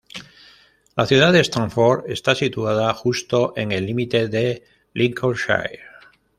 La ciudad de Stamford está situada justo en el límite de Lincolnshire.